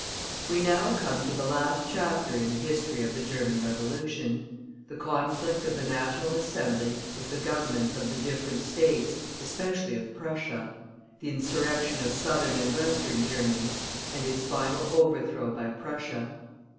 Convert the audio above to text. We now come to the last chapter in the history of the German Revolution; the conflict of the National Assembly with the Governments of the different States, especially of Prussia; the insurrection of Southern and Western Germany, and its final overthrow by Prussia.